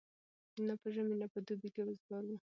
نه په ژمي نه په دوبي کي وزګار وو